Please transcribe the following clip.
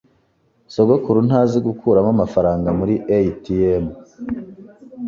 Sogokuru ntazi gukuramo amafaranga muri ATM.